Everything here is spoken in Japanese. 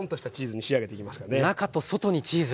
中と外にチーズ！